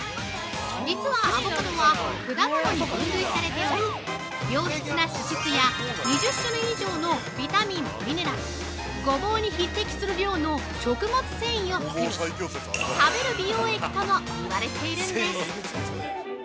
実はアボカドは、果物に分類されており良質な脂質や２０種類以上のビタミン・ミネラル、ごぼうに匹敵する量の食物繊維を含み、「食べる美容液」とも言われているんです！